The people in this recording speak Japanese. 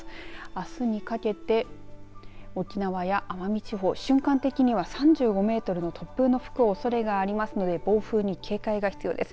あすにかけて沖縄や奄美地方、瞬間的には３５メートルの突風が吹く恐れがありますので暴風に警戒が必要です。